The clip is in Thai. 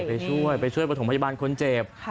ไปช่วยไปช่วยประถมพยาบาลคนเจ็บ